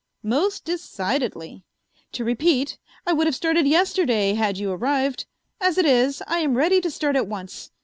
"Most decidedly. To repeat, I would have started yesterday, had you arrived. As it is, I am ready to start at once.